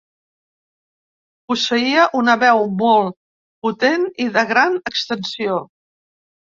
Posseïa una veu molt potent i de gran extensió.